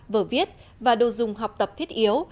vở viết và đồ dùng học tập thiết yếu